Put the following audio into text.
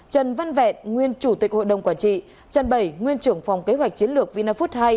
trần văn vẹn nguyên chủ tịch hội đồng quản trị trần bảy nguyên trưởng phòng kế hoạch chiến lược vinafood hai